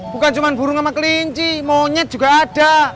bukan cuma burung sama kelinci monyet juga ada